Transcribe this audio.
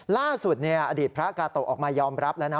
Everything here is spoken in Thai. ล่าสุดอดีตพระกาโตะออกมายอมรับแล้วนะ